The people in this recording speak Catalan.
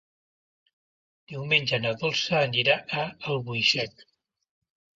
Diumenge na Dolça anirà a Albuixec.